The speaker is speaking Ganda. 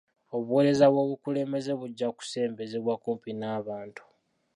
Obuweereza bw'obukulembeze bujja kusembezebwa kumpi n'abantu.